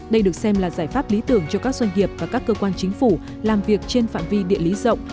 đây được xem là giải pháp lý tưởng cho các doanh nghiệp và các cơ quan chính phủ làm việc trên phạm vi địa lý rộng